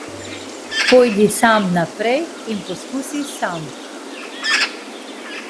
Pojdi sam naprej in poskusi sam.